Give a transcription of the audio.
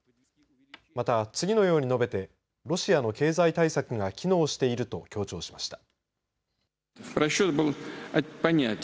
また、次のように述べてロシアの経済対策が機能していると強調しました。